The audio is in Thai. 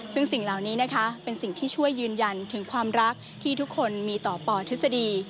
ซึ่งสิ่งเหล่านี้นะคะเป็นสิ่งที่ช่วยยืนยันถึงความรักที่ทุกคนมีต่อปอทฤษฎี